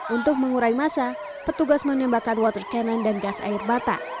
untuk mengurai masa petugas menembakkan water cannon dan gas air mata